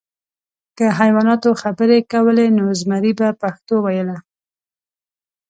که حیواناتو خبرې کولی، نو زمری به پښتو ویله .